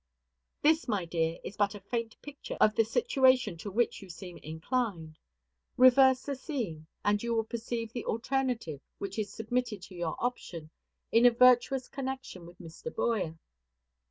This, my dear, is but a faint picture of the situation to which you seem inclined. Reverse the scene, and you will perceive the alternative which is submitted to your option in a virtuous connection with Mr. Boyer.